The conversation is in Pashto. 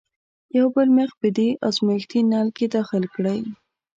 یو بل میخ په دې ازمیښتي نل کې داخل کړئ.